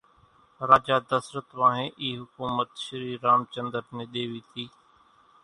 راجا دسرت وانھين اِي حُڪومت شري رام چنۮر نين ۮيوي تي